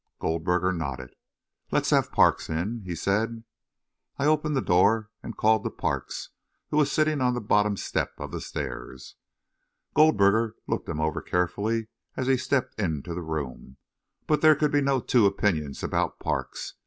Goldberger nodded. "Let's have Parks in," he said. I opened the door and called to Parks, who was sitting on the bottom step of the stair. Goldberger looked him over carefully as he stepped into the room; but there could be no two opinions about Parks.